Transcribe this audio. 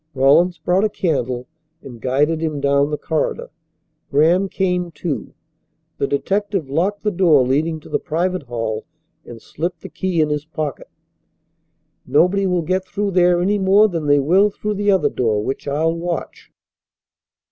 Rawlins brought a candle and guided him down the corridor. Graham came, too. The detective locked the door leading to the private hall and slipped the key in his pocket. "Nobody will get through there any more than they will through the other door which I'll watch."